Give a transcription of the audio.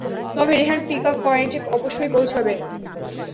তবে Rehan pick up পয়েন্টে অবশ্যই পৌঁছাবে।